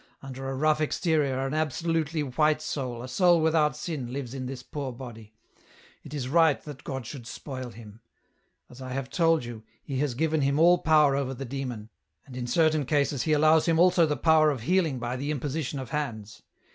Under a rough exterior an absolutely white soul, a soul without sin, lives in this poor body ; it is right that God should spoil him ! As I have told you. He has given him all power over the Demon ; and in certain cases He allows him also the power of healing by the imposi tion of hands.